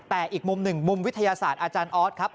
แต่อีกมุมหนึ่งมุมวิทยาศาสตร์อาจารย์ออสครับ